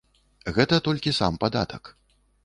Гэта толькі сам падатак.